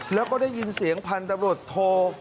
แล้วก็ได้ยินเสียงพันธบทโทร